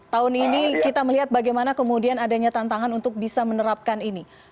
tahun ini kita melihat bagaimana kemudian adanya tantangan untuk bisa menerapkan ini